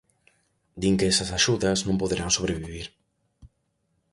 Din que esas axudas non poderán sobrevivir.